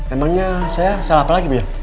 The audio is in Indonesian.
emangnya saya salah apa lagi bu ya